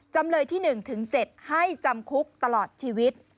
จำเลยที่๑ถึง๗ให้จำคุกตลอดชีวิต